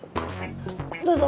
どうぞ。